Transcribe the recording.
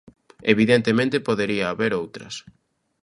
Evidentemente, podería haber outras.